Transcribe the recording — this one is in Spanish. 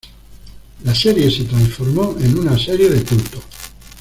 La serie se transformó en una serie de culto.